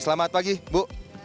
selamat pagi bu